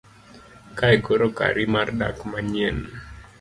kae koro kari mar dak manyien